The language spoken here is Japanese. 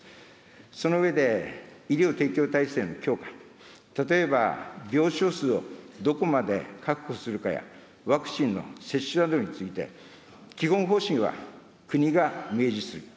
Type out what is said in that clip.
その上で、医療提供体制の強化、例えば病床数をどこまで確保するかや、ワクチンの接種などについて、基本方針は国が明示する。